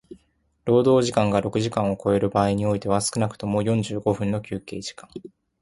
労働時間が六時間を超える場合においては少くとも四十五分の休憩時間